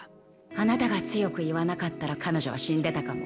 あなたが強く言わなかったら彼女は死んでたかも。